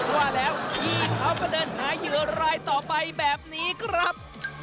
ว่าแล้วพี่เขาก็เดินหาเหยื่อรายต่อไปแบบนี้ครับ